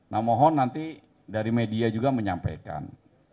nah mohon nanti dari media juga menyampaikan